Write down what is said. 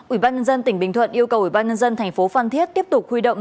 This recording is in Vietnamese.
ubnd tỉnh bình thuận yêu cầu ubnd tp phan thiết tiếp tục huy động